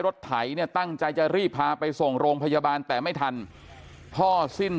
ไถเนี่ยตั้งใจจะรีบพาไปส่งโรงพยาบาลแต่ไม่ทันพ่อสิ้น